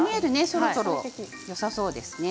そろそろよさそうですね。